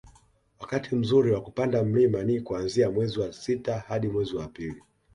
wakati mzuri kwa kupanda mlima ni kuanzia mwezi wa sita hadi mwezi wa pili